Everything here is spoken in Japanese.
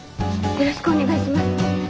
よろしくお願いします。